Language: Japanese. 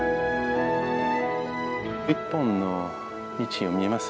一本の道を見えます？